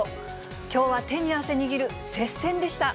きょうは手に汗握る接戦でした。